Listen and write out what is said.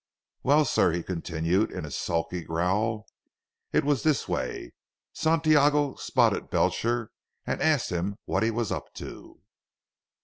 "Well sir," he continued in a sulky growl, "it was this way. Santiago spotted Belcher, and asked him what he was up to.